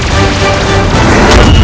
kau akan menang